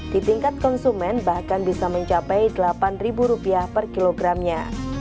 di tingkat konsumen bahkan bisa mencapai rp delapan per kilogramnya